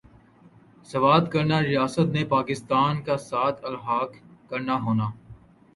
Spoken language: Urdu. سوات کرنا ریاست نے پاکستان کا ساتھ الحاق کرنا ہونا